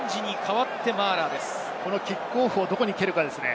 キックオフをどこに蹴るかですね。